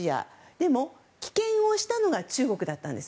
でも、棄権をしたのが中国だったんです。